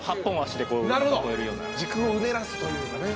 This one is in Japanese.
時空をうねらすというかね。